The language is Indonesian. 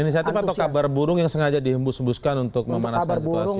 inisiatif atau kabar burung yang sengaja dihembus hembuskan untuk memanaskan situasi